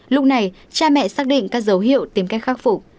lúc này cha mẹ xác định các dấu hiệu tìm cách khắc phục